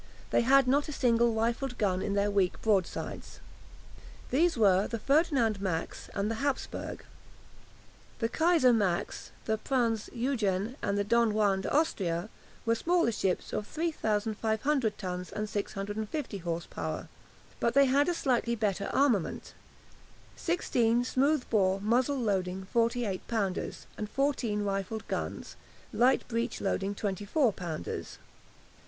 They had not a single rifled gun in their weak broadsides. These were the "Ferdinand Max" and the "Hapsburg." The "Kaiser Max," the "Prinz Eugen," and "Don Juan de Austria" were smaller ships of 3500 tons and 650 horse power, but they had a slightly better armament, sixteen smooth bore muzzle loading 48 pounders, and fourteen rifled guns, light breech loading 24 pounders.